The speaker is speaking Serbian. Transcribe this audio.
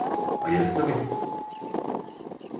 А јесте ли?